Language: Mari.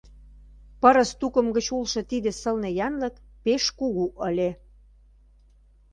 Пырыс тукым гыч улшо тиде сылне янлык пеш кугу ыле.